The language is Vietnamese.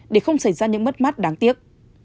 để không xảy ra những mất mát đáng tiếc